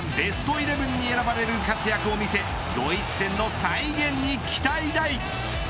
イレブンに選ばれる活躍を見せドイツ戦の再現に期待大。